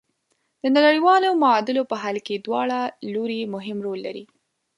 د نړیوالو معادلو په حل کې دواړه لوري مهم رول لري.